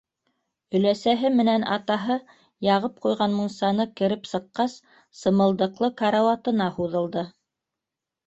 Өләсәһе менән атаһы яғып ҡуйған мунсаны кереп сыҡҡас, сымылдыҡлы карауатына һуҙылды.